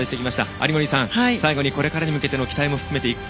有森さん、最後にこれからに向けての期待を。